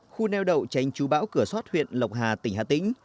khu neo đậu tránh chú bão cửa sót huyện lộc hà tỉnh hà tĩnh